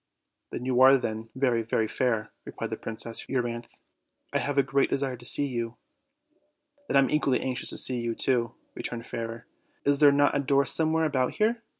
"You are then very, very fair," replied Princess Eu ryanthe; "I have a great desire to see you." "I am equally anxious to see you/' returned Fairer. "Is there not a door somewhere about here?